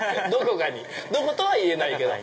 どことは言えないけど。